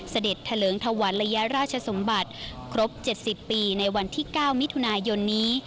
เสด็จเถลิงถวันระยะราชสมบัติครบ๗๐ปีในวันที่๙มิถุนายนนี้